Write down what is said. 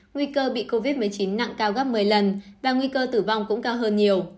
nguy cơ bị covid một mươi chín nặng cao gấp một mươi lần và nguy cơ tử vong cũng cao hơn nhiều